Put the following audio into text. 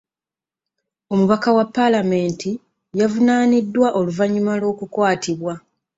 Omubaka wa paalamenti yavunaaniddwa oluvannyuma lw'okukwatibwa.